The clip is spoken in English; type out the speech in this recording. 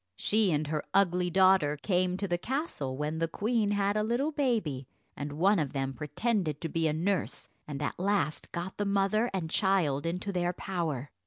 She and her ugly daughter came to the castle when the queen had a little baby, and one of them pretended to be a nurse, and at last got the mother and child into their power.